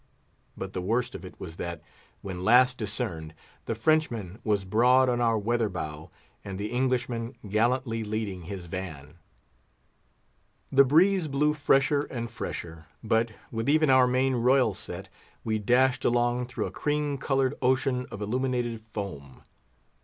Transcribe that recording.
But the worst of it was that, when last discerned, the Frenchman was broad on our weather bow, and the Englishman gallantly leading his van. The breeze blew fresher and fresher; but, with even our main royal set, we dashed along through a cream coloured ocean of illuminated foam.